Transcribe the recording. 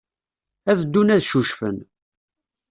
Ad ddun ad ccucfen.